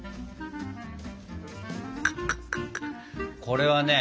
これはね